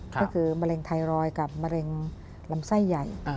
ก็คือมะเร็งไทรอยด์กับมะเร็งลำไส้ใหญ่